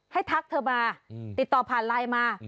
ทักเธอมาติดต่อผ่านไลน์มา